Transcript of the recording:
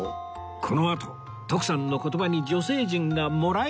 このあと徳さんの言葉に女性陣がもらい泣き